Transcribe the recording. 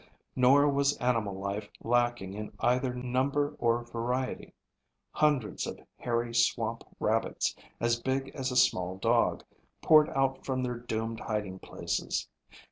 Nor was animal life lacking in either number or variety. Hundreds of hairy swamp rabbits, as big as a small dog, poured out from their doomed hiding places.